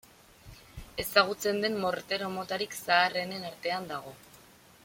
Ezagutzen den mortero motarik zaharrenen artean dago.